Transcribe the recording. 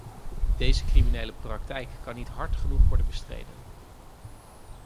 Deze criminele praktijk kan niet hard genoeg worden bestreden.